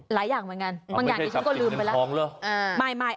หลายอย่างเหมือนกัน